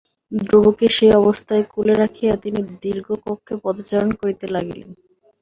ধ্রুবকে সেই অবস্থায় কোলে রাখিয়া তিনি দীর্ঘ কক্ষে পদচারণ করিতে লাগিলেন।